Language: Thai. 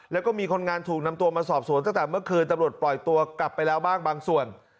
แล้วก็มีคนงานถูกนำตัวมาสอบสวนตั้งแต่เมื่อคืนตำรวจปล่อยตัวกลับไปแล้วบ้างบางส่วน